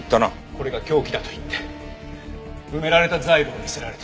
これが凶器だと言って埋められたザイルを見せられて。